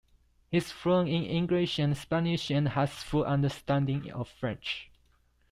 He is fluent in English and Spanish and has full understanding of French.